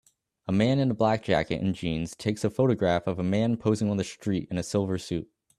A man in a black jacket in jeans takes a photograph of a man posing on the street in a silver suit